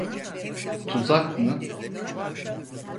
Tuzak mı?